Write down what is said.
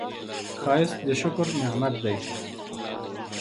ښایست د شکر نعمت دی